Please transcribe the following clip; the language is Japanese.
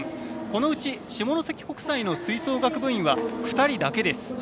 このうち下関国際の吹奏楽部員は２人だけです。